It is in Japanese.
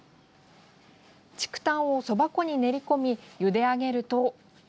竹炭をそば粉に練り込みゆで上げると。